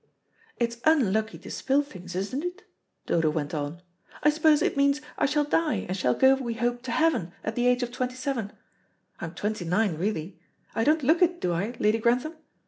"It's unlucky to spill things, isn't it?" Dodo went on. "I suppose it means I shall die, and shall go, we hope, to heaven, at the age of twenty seven. I'm twenty nine really. I don't look it, do I, Lady Grantham?